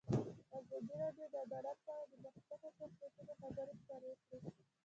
ازادي راډیو د عدالت په اړه د مخکښو شخصیتونو خبرې خپرې کړي.